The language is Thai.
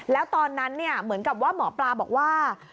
แล้วตอนนั้นเหมือนกับว่าหมอปลาบอกว่า